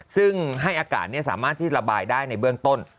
ซึ่งให้อากาศสามารถที่ระบายได้ในเบื้องต้น